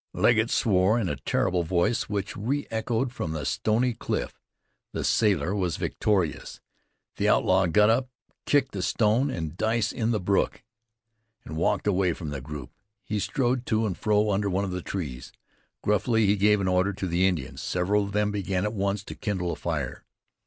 Legget swore in a terrible voice which re echoed from the stony cliff. The sailor was victorious. The outlaw got up, kicked the stone and dice in the brook, and walked away from the group. He strode to and fro under one of the trees. Gruffly he gave an order to the Indians. Several of them began at once to kindle a fire.